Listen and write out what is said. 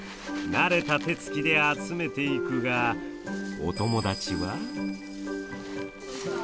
慣れた手つきで集めていくがお友達は？